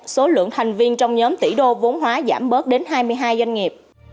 số lượng thành viên trong nhóm tỷ đô vốn hóa giảm bớt đến hai mươi hai doanh nghiệp